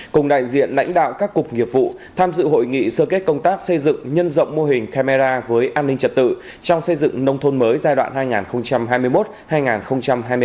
cùng đại diện lãnh đạo các cục nghiệp vụ tham dự hội nghị sơ kết công tác xây dựng nhân rộng mô hình camera với an ninh trật tự trong xây dựng nông thôn mới giai đoạn hai nghìn hai mươi một hai nghìn hai mươi ba